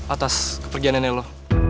atas kepergian nenek lo